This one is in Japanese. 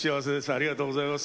ありがとうございます。